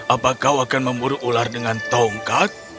apakah kau akan memburu ular dengan tongkat